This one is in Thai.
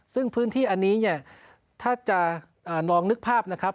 ซึ่งพื้นที่อันนี้ถ้านองนึกภาพนะครับ